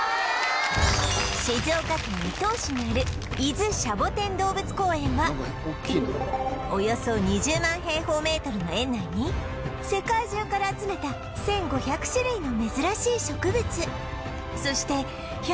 静岡県伊東市にある伊豆シャボテン動物公園はおよそ２０万平方メートルの園内に世界中から集めた１５００種類の珍しい植物そして１４０種の動物たちが暮らしているのですが